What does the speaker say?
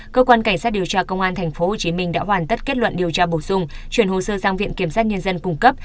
cơ quan cảnh sát điều tra công an tp hcm đã hoàn tất kết luận điều tra bổ sung chuyển hồ sơ sang viện kiểm sát nhân dân cung cấp